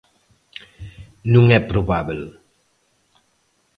_Non é probábel.